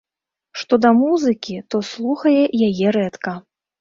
Што да музыкі, то слухае яе рэдка.